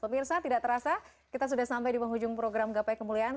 pemirsa tidak terasa kita sudah sampai di penghujung program gapai kemuliaan